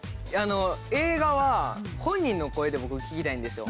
映画は本人の声で僕聴きたいんですよ。